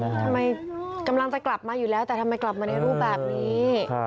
ทำไมกำลังจะกลับมาอยู่แล้วแต่ทำไมกลับมาในรูปแบบนี้